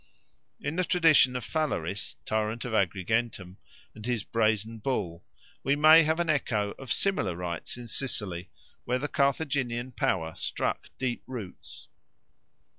In the tradition of Phalaris, tyrant of Agrigentum, and his brazen bull we may have an echo of similar rites in Sicily, where the Carthaginian power struck deep roots.